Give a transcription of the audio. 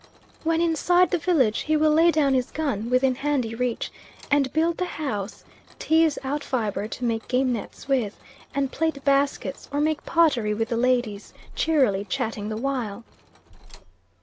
When inside the village he will lay down his gun, within handy reach, and build the house, tease out fibre to make game nets with, and plait baskets, or make pottery with the ladies, cheerily chatting the while.